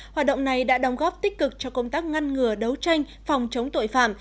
hoạt động này đã đóng góp tích cực cho công tác ngăn ngừa đấu tranh phòng chống tội phạm